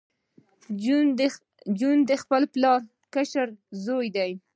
جون د خپل پلار کشر زوی و